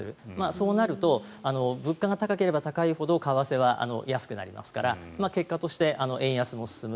そうすると物価が高ければ高いほど為替は安くなりますから結果として円安も進む。